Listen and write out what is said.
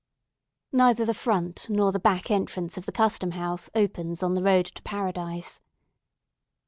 Neither the front nor the back entrance of the Custom House opens on the road to Paradise.